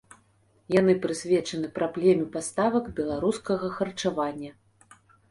Яны прысвечаны праблеме паставак беларускага харчавання.